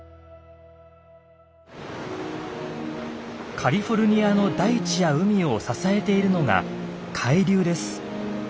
カリフォルニアの大地や海を支えているのが海流です。